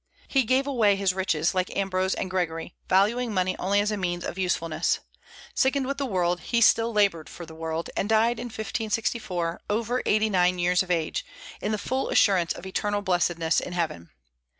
He gave away his riches, like Ambrose and Gregory, valuing money only as a means of usefulness. Sickened with the world, he still labored for the world, and died in 1564, over eighty nine years of age, in the full assurance of eternal blessedness in heaven.